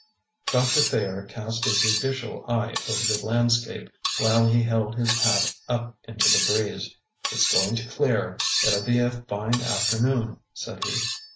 Doctor Thayer cast a judicial eye over the landscape, while he held his hat up into the breeze. "It's going to clear; it'll be a fine afternoon," said he.